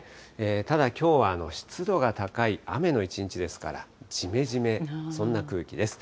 ただきょうは湿度が高い、雨の一日ですから、じめじめ、そんな空気です。